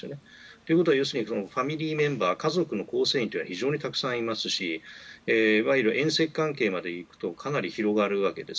ということはファミリーメンバー家族の構成員というのが非常にたくさんいますしいわゆる遠戚関係までいくとかなり広がるわけです。